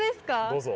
どうぞ。